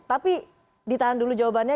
tapi ditahan dulu jawabannya